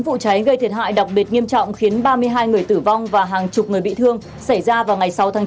vụ cháy gây thiệt hại đặc biệt nghiêm trọng khiến ba mươi hai người tử vong và hàng chục người bị thương xảy ra vào ngày sáu tháng chín